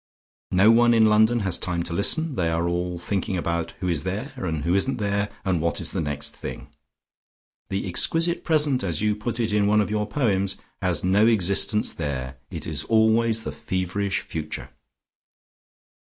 No one in London has time to listen: they are all thinking about who is there and who isn't there, and what is the next thing. The exquisite present, as you put it in one of your poems, has no existence there: it is always the feverish future."